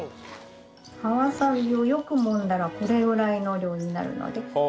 葉わさびをよく揉んだらこれぐらいの量になるので。